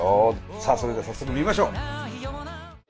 さあそれでは早速見ましょう！